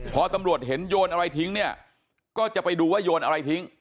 พอตำรวจเห็นโยนอะไรทิ้งเนี่ยก็จะไปดูว่าโยนอะไรทิ้ง